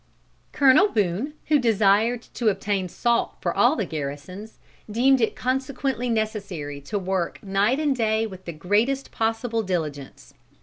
Colonel Boone, who desired to obtain salt for all the garrisons, deemed it consequently necessary to work night and day with the greatest possible diligence.